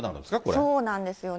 そうなんですよね。